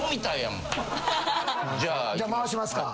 じゃあ回しますか。